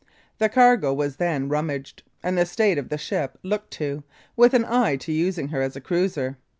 The cargo was then rummaged, and the state of the ship looked to, with an eye to using her as a cruiser.